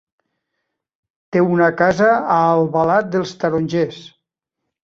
Té una casa a Albalat dels Tarongers.